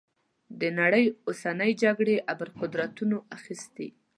د نړۍ اوسنۍ جګړې ابرقدرتونو اخیستي.